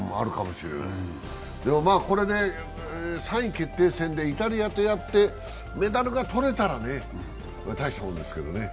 これで３位決定戦でイタリアとやってメダルが取れたら大したもんですけどね。